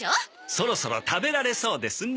そろそろ食べられそうですね。